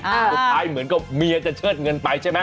เหมือนกับเมียจะเชิดเงินไปใช่ไหม